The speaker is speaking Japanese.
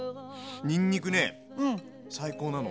にんにくね最高なの。